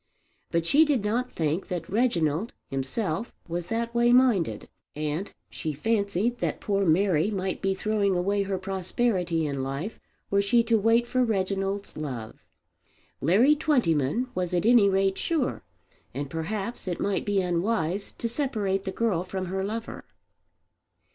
But she did not think that Reginald himself was that way minded, and she fancied that poor Mary might be throwing away her prosperity in life were she to wait for Reginald's love. Larry Twentyman was at any rate sure; and perhaps it might be unwise to separate the girl from her lover.